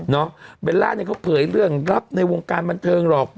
เบลล่าเนี่ยเขาเผยเรื่องลับในวงการบันเทิงหรอก